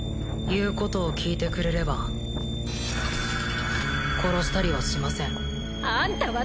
言うことを聞いてくれれば殺したりはしませんあんた